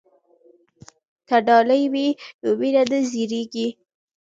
که ډالۍ وي نو مینه نه زړیږي.